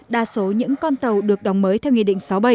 đa số những con tàu được đóng mới theo nghị định sáu mươi bảy